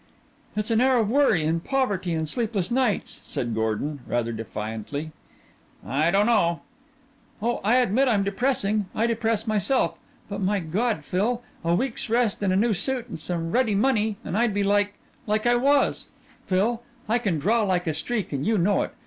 "It's an air of worry and poverty and sleepless nights," said Gordon, rather defiantly. "I don't know." "Oh, I admit I'm depressing. I depress myself. But, my God, Phil, a week's rest and a new suit and some ready money and I'd be like like I was. Phil, I can draw like a streak, and you know it.